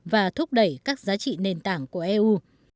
và thúc đẩy các giá trị nền tảng của eu